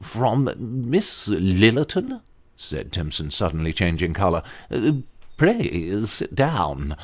" From Miss Lillerton !" said Timson, suddenly changing colour. " Pray sit down."